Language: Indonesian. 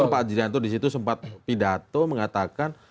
pak julianto disitu sempat pidato mengatakan